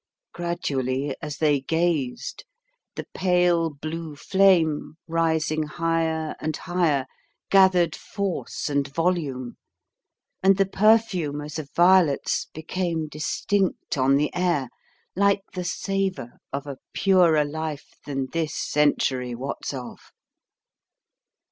Gradually, as they gazed, the pale blue flame, rising higher and higher, gathered force and volume, and the perfume as of violets became distinct on the air, like the savour of a purer life than this century wots of.